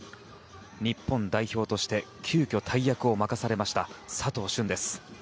日本代表として急きょ大役を任されました佐藤駿です。